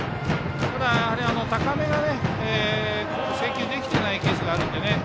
ただ高めが制球できていないケースがあるので。